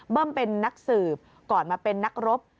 เป็นนักสืบก่อนมาเป็นนักรบ